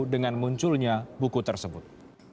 dengan munculnya buku tersebut